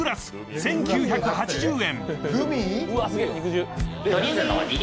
１９８０円。